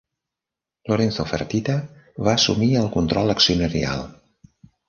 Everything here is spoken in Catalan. Lorenzo Fertitta va assumir el control accionarial.